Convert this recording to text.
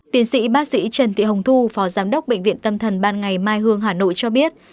tiến sĩ bác sĩ trần thị hồng thu phó giám đốc bệnh viện tâm thần ban ngày mai hương hà nội cho biết